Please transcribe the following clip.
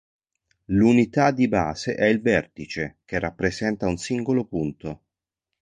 L'unità di base è il vertice, che rappresenta un singolo punto.